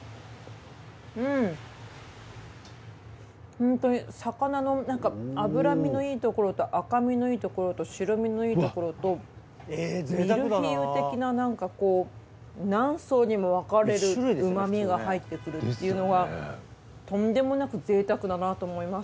ホントに魚の脂身のいいところと赤身のいいところと白身のいいところとミルフィーユ的ななんか何層にも分かれる旨味が入ってくるっていうのがとんでもなく贅沢だなと思います。